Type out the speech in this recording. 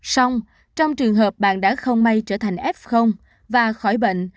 xong trong trường hợp bạn đã không may trở thành f và khỏi bệnh